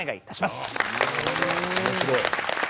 面白い。